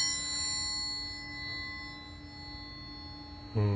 うん。